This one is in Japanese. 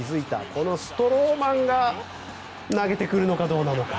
このストローマンが投げてくるのかどうなのか。